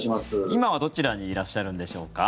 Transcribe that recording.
今はどちらにいらっしゃるんでしょうか。